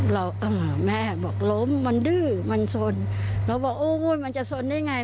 แล้วแม่บอกล้มมันดื้อมันสนเราบอกโอ้ยมันจะสนได้ไง